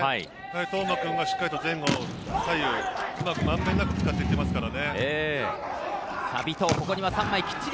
當麻君がしっかりと前後左右うまく、満遍なく使っていますからね。